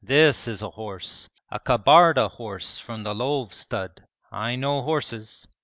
This is a horse! A Kabarda horse from the Lov stud. I know horses.'